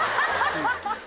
ハハハハハ！